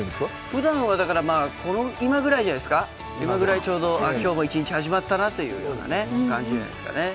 ふだんは今ぐらいじゃないですか、今ごろ、今日も一日始まったなというような感じじゃないですかね。